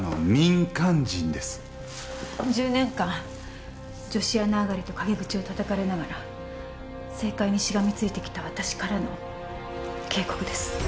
１０年間女子アナ上がりと陰口をたたかれながら政界にしがみついてきた私からの警告です。